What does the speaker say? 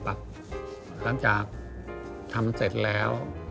โปรดติดตามต่อไป